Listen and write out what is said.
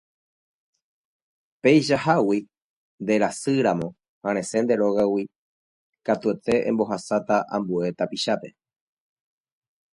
Peichahágui nderasýramo ha resẽ nde rógagui katuete embohasáta ambue tapichápe